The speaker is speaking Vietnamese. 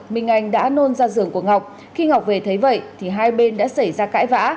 minh anh đã nôn ra giường của ngọc khi ngọc về thấy vậy thì hai bên đã xảy ra cãi vã